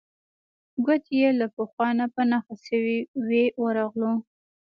کوټې چې له پخوا نه په نښه شوې وې ورغلو.